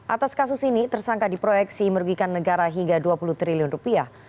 atas kasus ini tersangka diproyeksi merugikan negara hingga dua puluh triliun rupiah